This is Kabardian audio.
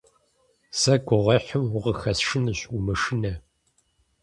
Сэ гугъуехьым укъыхэсшынущ, умышынэ.